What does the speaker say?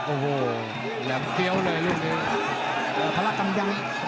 โอ้โหลำเคี้ยวเลยเรื่องนี้